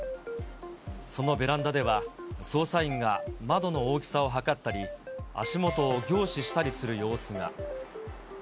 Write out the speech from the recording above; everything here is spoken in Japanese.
そのベランダでは、捜査員が窓の大きさを測ったり足元を凝視したりする様子が。